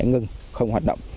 ngưng không hoạt động